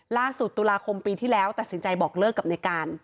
ล่าสุดตุลาคมปีที่แล้วตัดสินใจบอกเลิกกับในการ